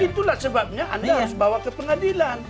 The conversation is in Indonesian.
itulah sebabnya anda harus bawa ke pengadilan